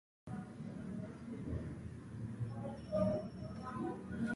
اروپایانو د پنځلسمې پېړۍ په وروستیو کې بېړۍ چلونه پیل کړې وه.